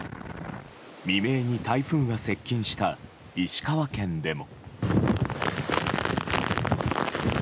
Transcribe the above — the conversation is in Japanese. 未明に台風が接近した石川県でも。